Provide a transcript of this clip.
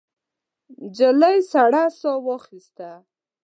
نجلۍ سړه ساه واخیسته.